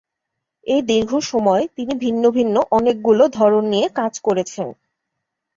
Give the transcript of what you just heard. এই দীর্ঘ সময়ে তিনি ভিন্ন ভিন্ন অনেকগুলো ধরন নিয়ে কাজ করেছেন।